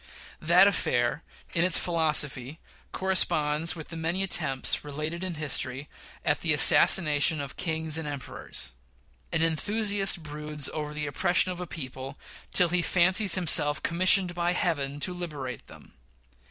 That affair, in its philosophy, corresponds with the many attempts related in history at the assassination of kings and emperors. An enthusiast broods over the oppression of a people till he fancies himself commissioned by Heaven to liberate them.